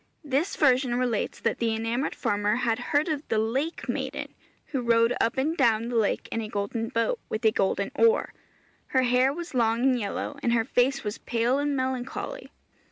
This version relates that the enamoured farmer had heard of the lake maiden, who rowed up and down the lake in a golden boat, with a golden oar. Her hair was long and yellow, and her face was pale and melancholy.